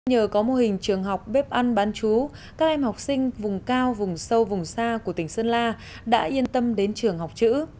nhờ có mô hình trường học bếp ăn bán chú các em học sinh vùng cao vùng sâu vùng xa của tỉnh sơn la đã yên tâm đến trường học chữ